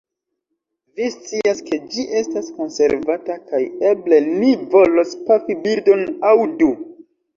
Vi scias kie ĝi estas konservata, kaj eble ni volos pafi birdon aŭ du.